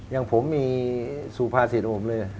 อย่างผมมีซูภาษีในผมเลย